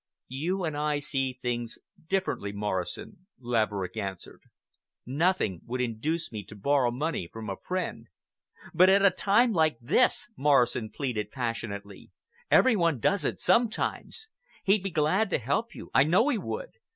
"You and I see things differently, Morrison," Laverick answered. "Nothing would induce me to borrow money from a friend." "But at a time like this," Morrison pleaded passionately. "Every one does it sometimes. He'd be glad to help you. I know he would.